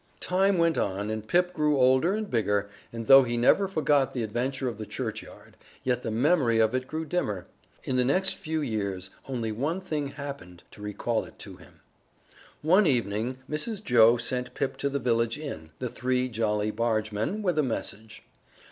Time went on and Pip grew older and bigger, and though he never forgot the adventure of the churchyard, yet the memory of it grew dimmer. In the next few years only one thing happened to recall it to him. One evening Mrs. Joe sent Pip to the village inn, The Three Jolly Bargemen, with a message.